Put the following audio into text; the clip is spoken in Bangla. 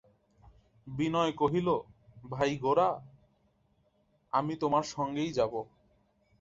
বিনয় কহিল, ভাই গোরা, আমি তোমার সঙ্গেই যাব।